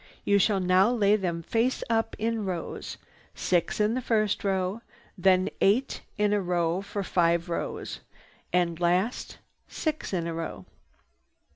You shall now lay them face up in rows, six in the first row, then eight in a row for five rows, and last, six in a row."